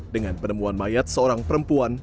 dengan penemuan mayat seorang perempuan